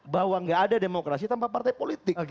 bahwa nggak ada demokrasi tanpa partai politik